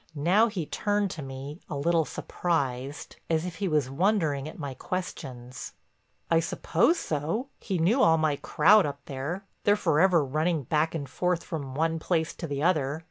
Now he turned to me, a little surprised, as if he was wondering at my questions: "I suppose so. He knew all my crowd up there; they're forever running back and forth from one place to the other.